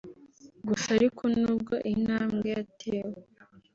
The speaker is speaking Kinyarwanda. Gusa ariko nubwo iyi ntambwe yatewe